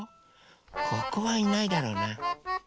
ここはいないだろうな。